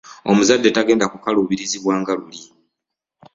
Omuzadde tagenda kukaluubirizibwa nga luli.